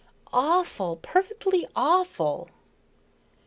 "Awful! Perfectly awful!"